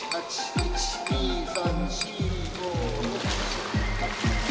１、２、３、４、５、６。